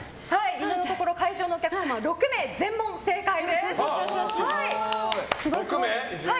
今のところ会場のお客様６名全問正解です。